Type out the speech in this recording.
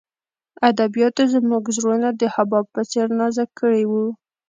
ادبیاتو زموږ زړونه د حباب په څېر نازک کړي وو